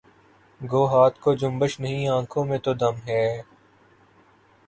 گو ہاتھ کو جنبش نہیں آنکھوں میں تو دم ہے